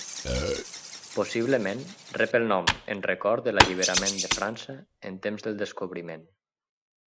Possiblement rep el nom en record de l'alliberament de França en temps del descobriment.